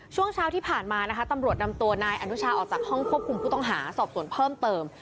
ช่วงเช้าที่ผ่านมานะคะตำรวจนำตัวนายอนุชาออกจากห้องควบคุมผู้ต้องหาสอบส่วนเพิ่มเติม